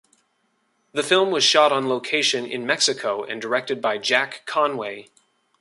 The film was shot on location in Mexico and directed by Jack Conway.